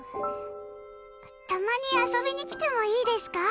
たまに遊びに来てもいいですか。